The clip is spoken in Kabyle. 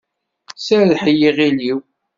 Serreḥ i yiɣil-iw!